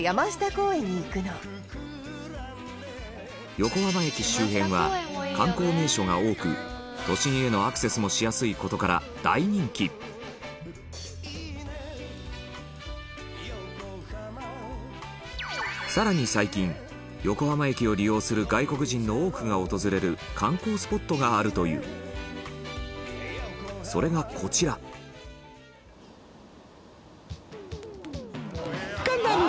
横浜駅周辺は、観光名所が多く都心へのアクセスもしやすい事から、大人気更に、最近、横浜駅を利用する外国人の多くが訪れる観光スポットがあるというそれが、こちらＭｒ．ヤバタン：ガンダム！